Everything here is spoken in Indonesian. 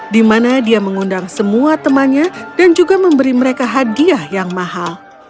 di mana dia mengundang semua temannya dan juga memberi mereka hadiah yang mahal